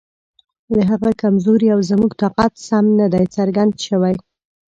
د هغه کمزوري او زموږ طاقت سم نه دی څرګند شوی.